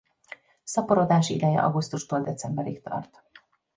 Szaporodási ideje augusztustól decemberig tart.